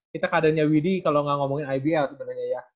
kita keadaannya widdy kalau nggak ngomongin ibl sebenernya ya